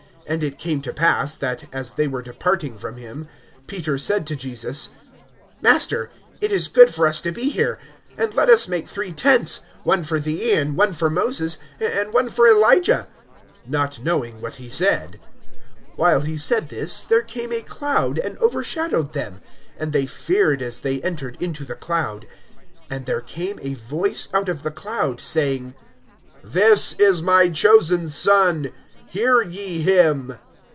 (33)And it came to pass, that, as they were departing from him, Peter said to Jesus: Master, it is good for us to be here; and let us make three tents, one for thee, and one for Moses, and one for Elijah; not knowing what he said. (34)While he said this, there came a cloud, and overshadowed them; and they feared as they entered into the cloud. (35)And there came a voice out of the cloud, saying: This is my chosen Son; hear ye him.